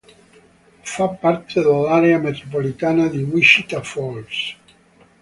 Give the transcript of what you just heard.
Fa parte dell'area metropolitana di Wichita Falls.